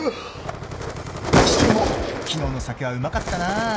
にしても昨日の酒はうまかったな。